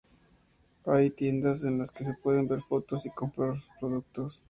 Hay tiendas en las que se pueden ver fotos y comprar sus productos.